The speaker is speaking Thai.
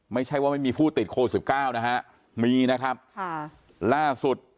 ไม่ใช่ว่าไม่มีผู้ติดโควิดสิบเก้านะฮะมีนะครับค่ะล่าสุด